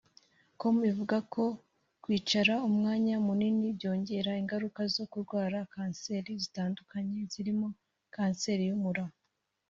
com ivuga ko kwicara umwanya munini byongera ingaruka zo kurwara cancer zitandukanye zirimo kanseri y’umura